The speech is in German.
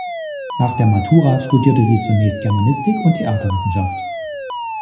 Nach der Matura studierte sie zunächst Germanistik und Theaterwissenschaft.